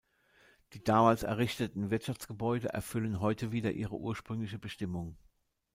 Die damals errichteten Wirtschaftsgebäude erfüllen heute wieder ihre ursprüngliche Bestimmung.